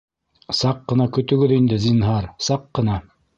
Саҡ ҡына көтөгөҙ инде, зинһар, саҡ ҡына!